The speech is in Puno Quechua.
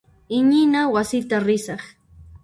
Iñina wasita risaq.